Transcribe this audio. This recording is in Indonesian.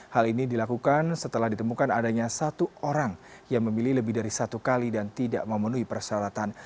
hal ini dilakukan setelah ditemukan adanya satu orang yang memilih lebih dari satu kali dan tidak memenuhi persyaratan